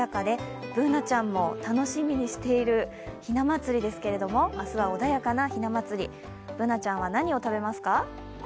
Ｂｏｏｎａちゃんも楽しみにしているひな祭りですけれども明日は穏やかなひなまつり、Ｂｏｏｎａちゃんは何を食べますか？